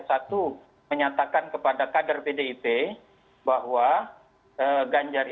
satu menyatakan kepada kader pdip bahwa ganjar ini